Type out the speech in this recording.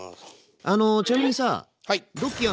あのちなみにさ